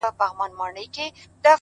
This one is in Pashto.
نو زه له تاسره;